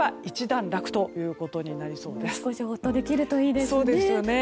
少しホッとできるといいですね。